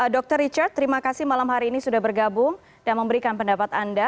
dr richard terima kasih malam hari ini sudah bergabung dan memberikan pendapat anda